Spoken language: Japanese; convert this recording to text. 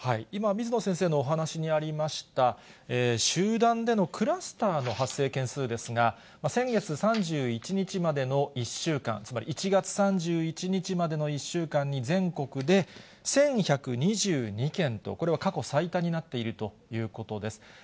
今、水野先生のお話にありました、集団でのクラスターの発生件数ですが、先月３１日までの１週間、つまり１月３１日までの１週間に、全国で１１２２件と、これは過去最多になっているということです。